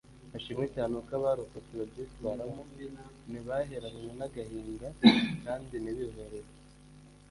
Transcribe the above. Hashimwe cyane uko abarokotse babyitwaramo ntibaheranwe n’agahinda kandi ntibihorere